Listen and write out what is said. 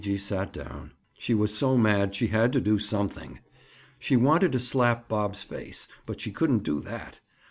Gee gee sat down. She was so mad she had to do something. She wanted to slap Bob's face, but she couldn't do that.